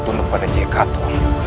tunduk pada cekatmu